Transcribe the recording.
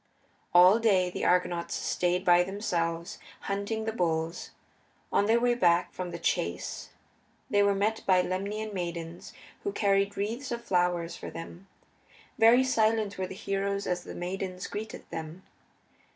All day the Argonauts stayed by themselves, hunting the bulls. On their way back from the chase they were met by Lemnian maidens who carried wreaths of flowers for them. Very silent were the heroes as the maidens greeted them.